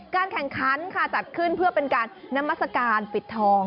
การแข่งขันค่ะจัดขึ้นเพื่อเป็นการนามัศกาลปิดทอง